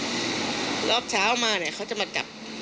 มันหลายครั้งแล้วสุดอันคนแล้วพี่รอบเช้ามาเนี่ยเขาจะมาจับ